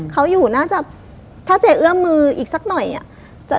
เขาอยู่น่าจะถ้าเจ๊เอื้อมมืออีกสักหน่อยอ่ะ